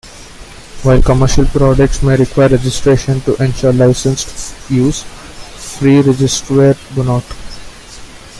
While commercial products may require registration to ensure licensed use, free registerware do not.